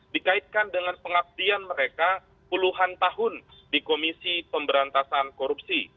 dikaitkan dengan pengabdian mereka puluhan tahun di komisi pemberantasan korupsi